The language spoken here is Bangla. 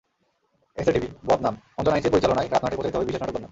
এসএ টিভিবদনামঅঞ্জন আইচের পরিচালনায় রাত নয়টায় প্রচারিত হবে বিশেষ নাটক বদনাম।